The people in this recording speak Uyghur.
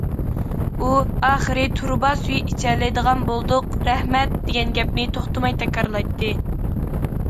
ئۇ: ئاخىرى تۇرۇبا سۈيى ئىچەلەيدىغان بولدۇق، رەھمەت، دېگەن گەپنى توختىماي تەكرارلايتتى.